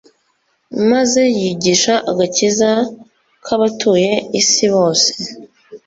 maze yigisha agakiza k'abatuye isi bose.